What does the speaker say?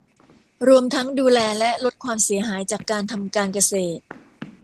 รวมทั้งดูแลและลดความเสียหายจากการทำการเกษตร